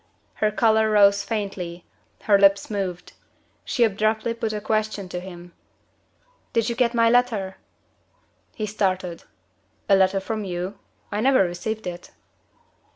Her color rose faintly, her lips moved. She abruptly put a question to him. "Did you get my letter?" He started. "A letter from you? I never received it."